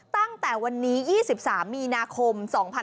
ตั้งแต่วันนี้๒๓มีนาคม๒๕๖๒